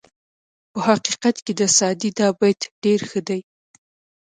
په حقیقت کې د سعدي دا بیت ډېر ښه دی.